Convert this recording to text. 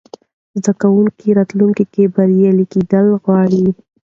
زده کوونکي راتلونکې کې بریالي کېدل غواړي.